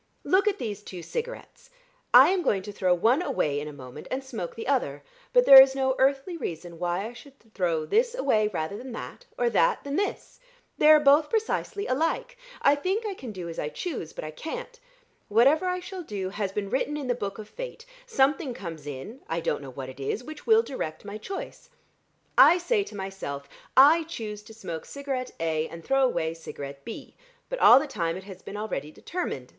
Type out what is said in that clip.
Look at these two cigarettes! I am going to throw one away in a moment, and smoke the other, but there is no earthly reason why I should throw this away rather than that, or that than this: they are both precisely alike. I think I can do as I choose, but I can't. Whatever I shall do, has been written in the Book of Fate; something comes in I don't know what it is which will direct my choice. I say to myself, 'I choose to smoke cigarette A and throw away cigarette B,' but all the time it has been already determined.